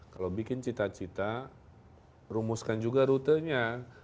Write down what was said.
kalau bikin cita cita rumuskan juga rutenya